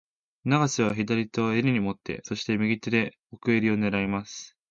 永瀬は左手も襟を持って、そして、右手で奥襟を狙います。